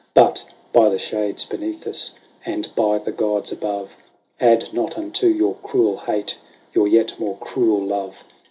But, by the Shades beneath us, and by the Gods above. Add not unto your cruel hate your yet more cruel love